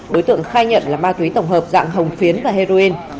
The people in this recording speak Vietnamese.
đối tượng khai nhận là ma túy tổng hợp dạng hồng phiến và heroin